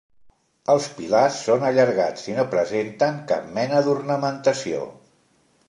Els pilars són allargats i no presenten cap mena d'ornamentació.